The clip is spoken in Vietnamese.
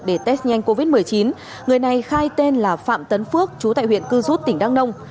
để test nhanh covid một mươi chín người này khai tên là phạm tấn phước chú tại huyện cư rút tỉnh đăng nông